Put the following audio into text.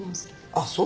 あっそうか。